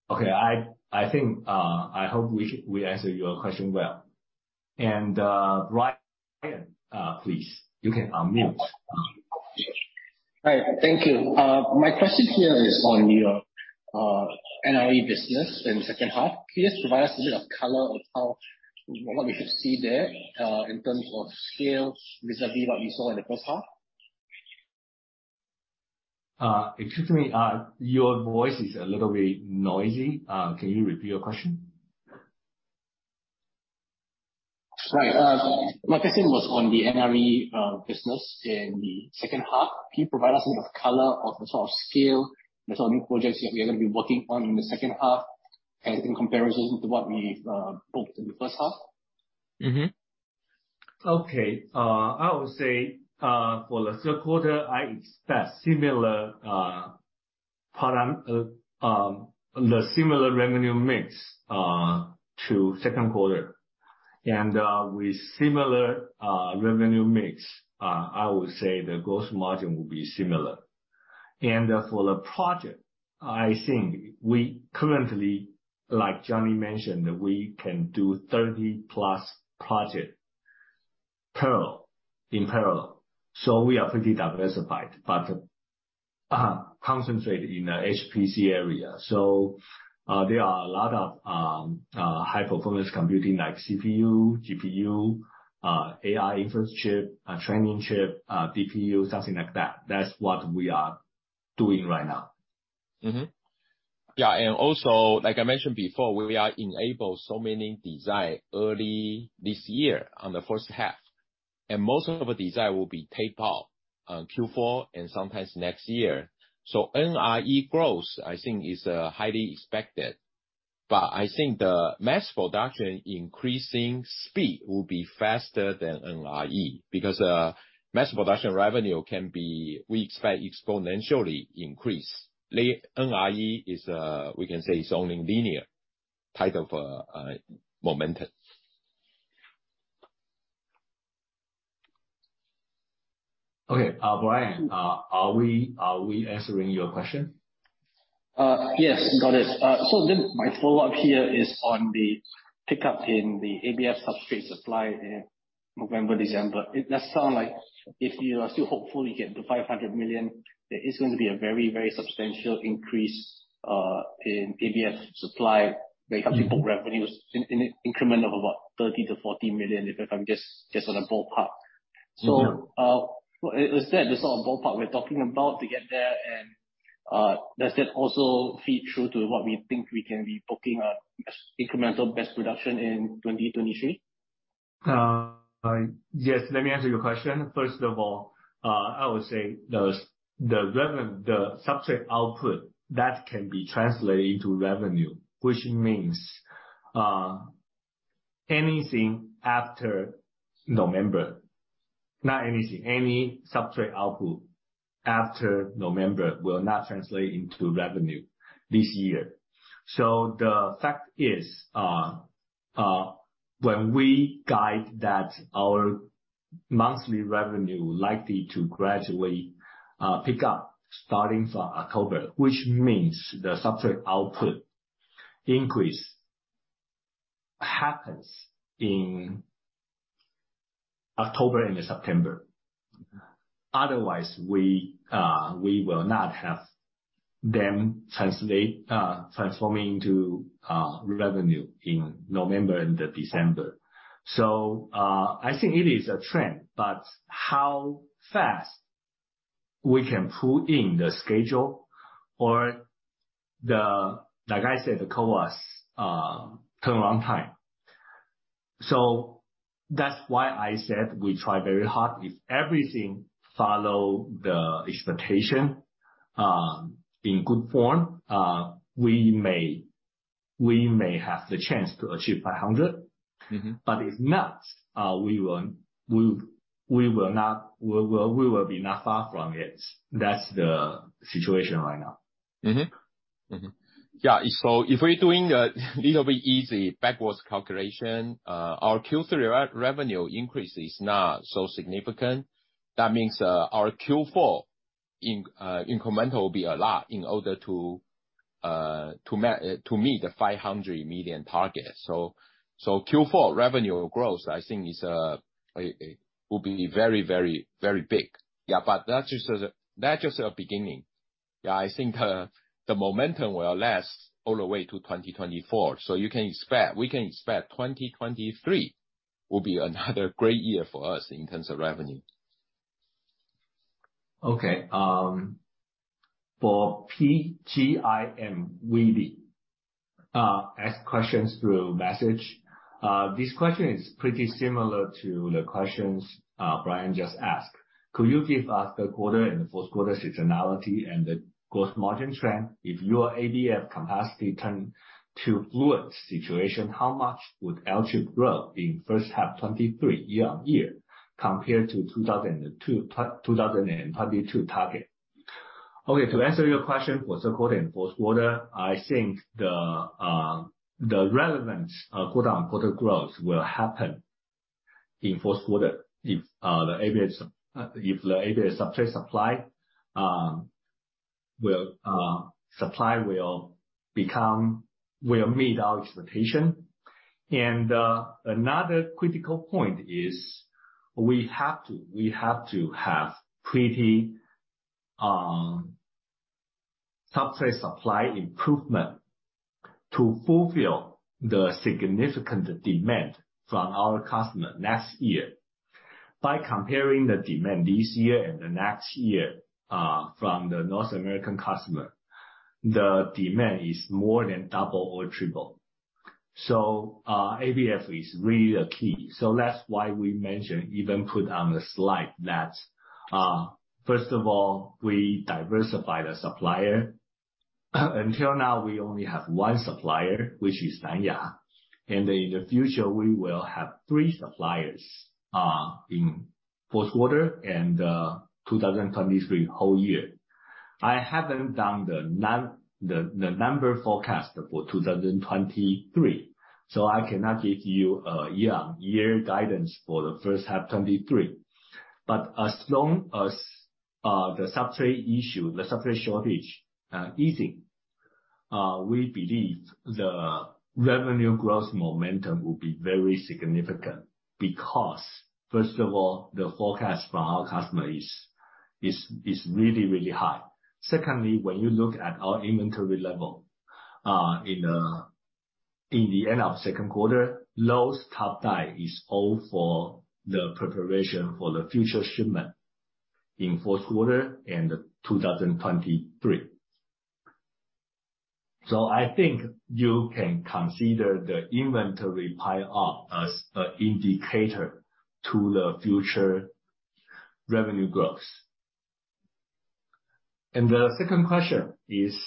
Okay. I think I hope we answered your question well. Brian, please, you can unmute. All right. Thank you. My question here is on your NRE business in the second half. Can you just provide us a bit of color on how what we could see there in terms of scale vis-à-vis what we saw in the first half? Excuse me. Your voice is a little bit noisy. Can you repeat your question? Right. My question was on the NRE business in the second half. Can you provide us some color on the sort of scale, the sort of new projects that we are going to be working on in the second half in comparison to what we booked in the first half? I would say for the third quarter, I expect similar revenue mix to second quarter. With similar revenue mix, I would say the gross margin will be similar. For the project, I think we currently, like Johnny mentioned, we can do 30+ projects in parallel. We are pretty diversified but concentrated in the HPC area. There are a lot of high-performance computing like CPU, GPU, AI inference chip, training chip, DPU, something like that. That's what we are doing right now. Also, like I mentioned before, we enabled so many designs early this year in the first half. Most of the designs will be taped out on Q4 and sometimes next year. NRE growth, I think is highly expected. I think the mass production increasing speed will be faster than NRE. Mass production revenue can be, we expect exponentially increase. The NRE is, we can say it's only linear type of momentum. Okay. Brian, are we answering your question? Yes. Got it. My follow-up here is on the pickup in the ABF substrate supply in November, December. It does sound like if you are still hopeful you get to 500 million, there is going to be a very, very substantial increase in ABF supply when it comes to book revenues in an increment of about 30 million-40 million, if I'm just on a ballpark. Is that the sort of ballpark we're talking about to get there? Does that also feed through to what we think we can be booking incremental best production in 2023? Yes. Let me answer your question. First of all, I would say the revenue, the substrate output that can be translated into revenue, which means anything after November. Not anything, any substrate output after November will not translate into revenue this year. The fact is, when we guide that our monthly revenue likely to gradually pick up starting from October, which means the substrate output increase happens in October and September. Otherwise, we will not have them translate transforming to revenue in November and December. I think it is a trend, but how fast we can pull in the schedule or the, like I said, the CoWoS turn around time. That's why I said we try very hard. If everything follow the expectation in good form. We may have the chance to achieve 500. If not, we will not be far from it. That's the situation right now. If we're doing a little bit easy backwards calculation, our Q3 revenue increase is not so significant. That means, our Q4 incremental will be a lot in order to meet the 500 million target. Q4 revenue growth, I think, will be very big. But that's just a beginning. I think, the momentum will last all the way to 2024. You can expect, we can expect 2023 will be another great year for us in terms of revenue. Okay. For PGIM WD, ask questions through message. This question is pretty similar to the questions Brian just asked. Could you give us the third quarter and the fourth quarter seasonality and the gross margin trend? If your ABF capacity turn to fluid situation, how much would Alchip grow in first half 2023 year-on-year compared to 2022 target? Okay, to answer your question for the third and fourth quarter, I think the relevant quarter-on-quarter growth will happen in fourth quarter if the ABF substrate supply will meet our expectation. Another critical point is, we have to have pretty substrate supply improvement to fulfill the significant demand from our customer next year. By comparing the demand this year and the next year from the North American customer, the demand is more than double or triple. ABF is really the key. That's why we mentioned, even put on the slide that first of all, we diversify the supplier. Until now, we only have one supplier, which is Sony. In the future, we will have three suppliers in fourth quarter and 2023 whole year. I haven't done the number forecast for 2023, so I cannot give you a year-on-year guidance for the first half 2023. As long as the substrate issue, the substrate shortage easing, we believe the revenue growth momentum will be very significant. Because first of all, the forecast from our customer is really high. Secondly, when you look at our inventory level, in the end of second quarter, low top die is all for the preparation for the future shipment in fourth quarter and 2023. So I think you can consider the inventory pile up as a indicator to the future revenue growth. The second question is,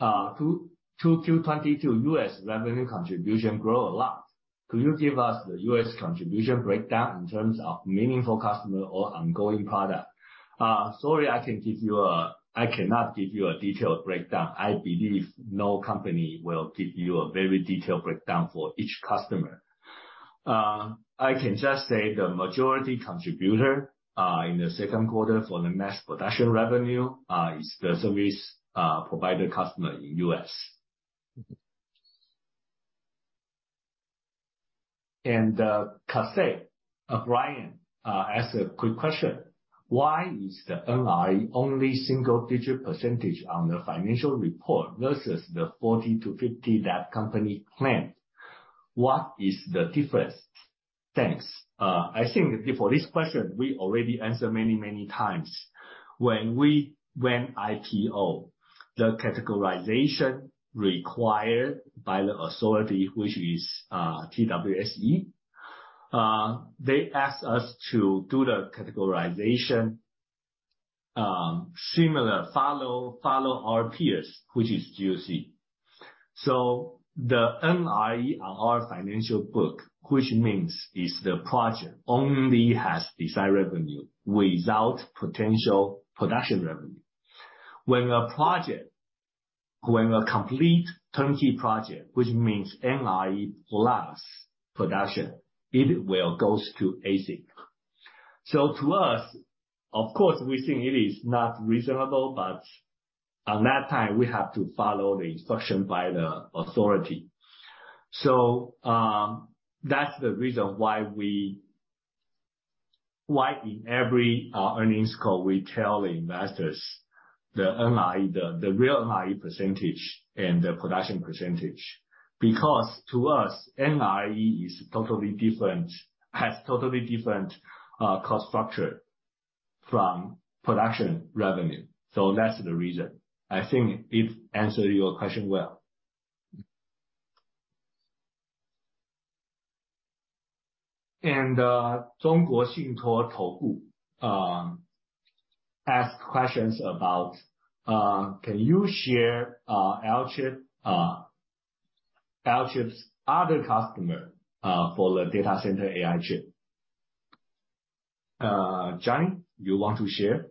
2022 U.S. revenue contribution grow a lot. Could you give us the U.S. contribution breakdown in terms of meaningful customer or ongoing product? Sorry, I cannot give you a detailed breakdown. I believe no company will give you a very detailed breakdown for each customer. I can just say the majority contributor, in the second quarter for the mass production revenue, is the service provider customer in U.S. Casey, Brian, ask a quick question. Why is the NRE only single-digit % on the financial report versus the 40%-50% that company planned? What is the difference? Thanks. I think for this question, we already answered many times. When IPO, the categorization required by the authority, which is TWSE, they asked us to do the categorization, similar, follow our peers, which is GUC. So the NRE on our financial book, which means is the project only has design revenue without potential production revenue. When a complete turnkey project, which means NRE plus production, it will go to ASIC. So to us, of course, we think it is not reasonable, but on that time, we have to follow the instruction by the authority. That's the reason why in every earnings call we tell investors the real NRE percentage and the production percentage. Because to us, NRE is totally different, has totally different cost structure from production revenue. That's the reason. I think it answer your question well. Zhongguoxingtuo Chougu ask questions about can you share Alchip's other customer for the data center AI chip? Johnny, you want to share?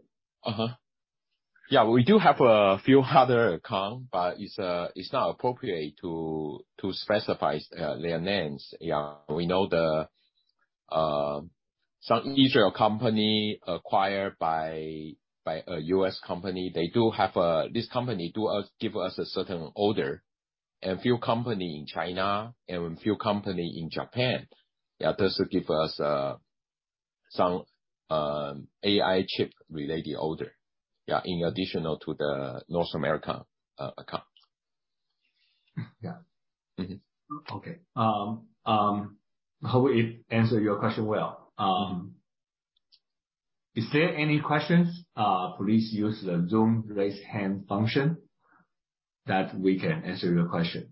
Yeah, we do have a few other accounts, but it's not appropriate to specify their names. Yeah, we know some Israeli company acquired by a U.S. company. This company does give us a certain order. A few companies in China and a few companies in Japan, yeah, also give us some AI chip-related orders. Yeah, in addition to the North American accounts. Hope it answer your question well. Is there any questions? Please use the Zoom raise hand function, that we can answer your question.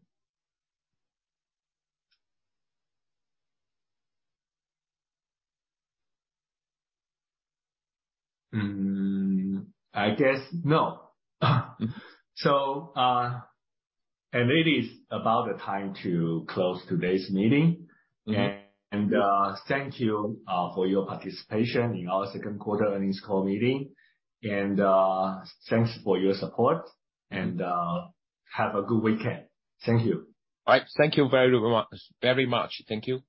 I guess no. It is about the time to close today's meeting. Thank you for your participation in our second quarter earnings call meeting. Thanks for your support and have a good weekend. Thank you. All right. Thank you very much. Thank you.